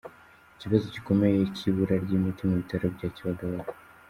Ikibazo gikomeye cy’ibura ry’imiti mu bitaro bya Kibagaga